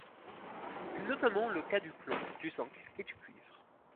C'est notamment le cas du plomb, du zinc et du cuivre.